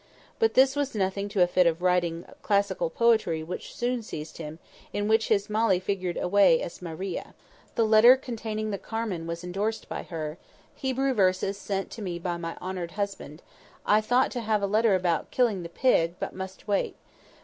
But this was nothing to a fit of writing classical poetry which soon seized him, in which his Molly figured away as "Maria." The letter containing the carmen was endorsed by her, "Hebrew verses sent me by my honoured husband. I thowt to have had a letter about killing the pig, but must wait.